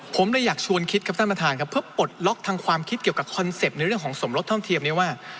ผมเลยอยากชวนคิดครับท่านประธานครับเพื่อปลดล็อกทางความคิดเกี่ยวกับคอนเซ็ปต์ในเรื่องของสมรสเท่าเทียมนี้ว่า